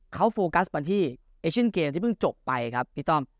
เขาโฟกัสมาที่เอเชียนเกมที่เพิ่งจบไปครับพี่ต้อม